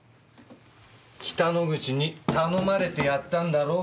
北之口に頼まれてやったんだろ？